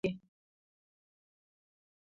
زده کړه د نجونو حافظه قوي کوي.